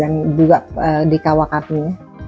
dan juga di kawakami